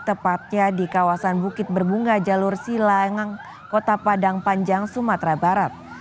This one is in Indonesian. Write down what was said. tepatnya di kawasan bukit berbunga jalur silang kota padang panjang sumatera barat